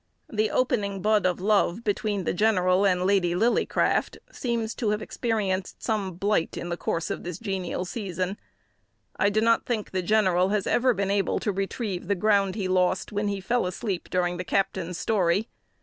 The "opening bud of love" between the general and Lady Lillycraft seems to have experienced some blight in the course of this genial season. I do not think the general has ever been able to retrieve the ground he lost when he fell asleep during the captain's story.